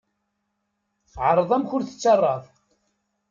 Ԑreḍ amek ur tettarraḍ.